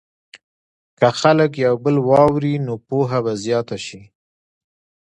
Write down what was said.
که خلک یو بل واوري، نو پوهه به زیاته شي.